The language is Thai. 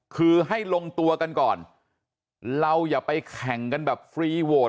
คือให้ลงตัวกันก่อนเราอย่าไปแข่งกันแบบฟรีโหวต